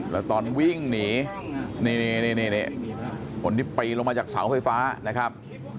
แล้วตอนวิ่งหนีนี่คนที่ปีนลงมาจากเสาไฟฟ้านะครับ